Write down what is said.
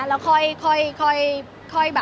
แล้วค่อยค่อยค่อย